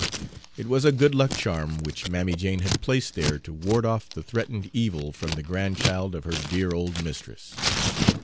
It was a good luck charm which Mammy Jane had placed there to ward off the threatened evil from the grandchild of her dear old mistress.